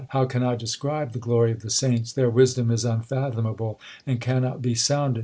How can I describe the glory of the saints ? Their wisdom is unfathomable, and cannot be sounded.